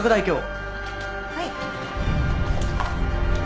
はい。